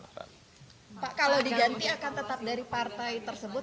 pak kalau diganti akan tetap dari partai tersebut